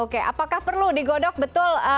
oke apakah perlu digodok betul